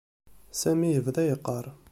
Sami yebda yeqqar.